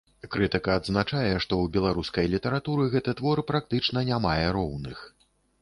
Крытыка адзначае, што ў беларускай літаратуры гэты твор практычна не мае роўных.